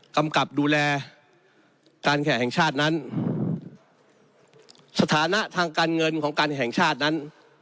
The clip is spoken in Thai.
กำกับดูแลการแขกแห่งชาตินั้นสถานะทางการเงินของการแห่งชาตินั้น